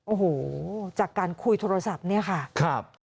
โอ้โหจากการคุยโทรศัพท์เนี่ยค่ะครับ